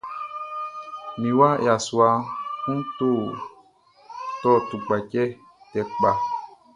Mi wa yassua kun tɔ tupkatʃɛ tɛ kpa.